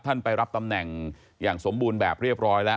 ไปรับตำแหน่งอย่างสมบูรณ์แบบเรียบร้อยแล้ว